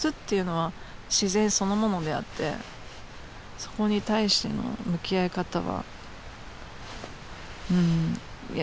そこに対しての向き合い方は。